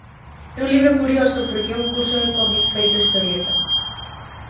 É un libro curioso porque é un curso de cómic feito historieta.